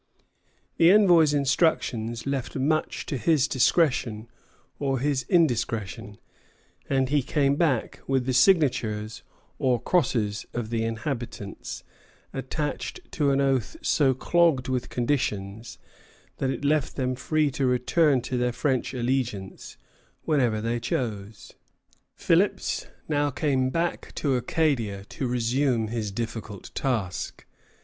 The envoy's instructions left much to his discretion or his indiscretion, and he came back with the signatures, or crosses, of the inhabitants attached to an oath so clogged with conditions that it left them free to return to their French allegiance whenever they chose. Philipps now came back to Acadia to resume his difficult task.